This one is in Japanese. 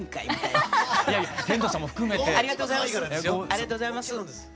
ありがとうございます。